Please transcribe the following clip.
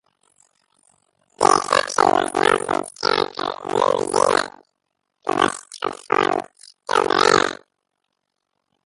The exception was Nelson's character Lew Zealand, who was performed Bill Barretta.